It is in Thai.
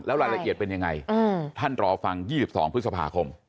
แล้วรายละเอียดเป็นยังไงอืมท่านรอฟังยี่สิบสองพฤษภาคม